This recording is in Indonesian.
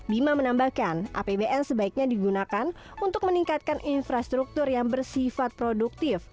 bima menambahkan apbn sebaiknya digunakan untuk meningkatkan infrastruktur yang bersifat produktif